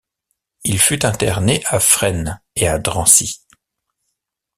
Il fut interné à Fresnes et à Drancy.